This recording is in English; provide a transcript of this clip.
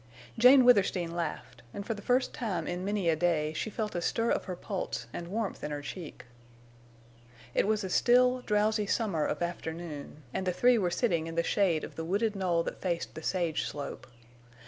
Jane Withersteen laughed, and for the first time in many a day she felt a stir of her pulse and warmth in her cheek. It was a still drowsy summer of afternoon, and the three were sitting in the shade of the wooded knoll that faced the sage slope.